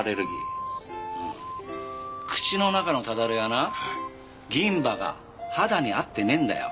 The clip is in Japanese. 口の中のただれはな銀歯が肌に合ってねえんだよ。